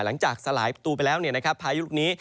ซึ่งจากสลายตัวไปแล้วพายุลูกนี้